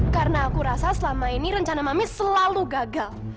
karena aku rasa selama ini rencana mami selalu gagal